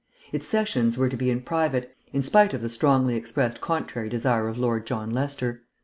Its sessions were to be in private, in spite of the strongly expressed contrary desire of Lord John Lester.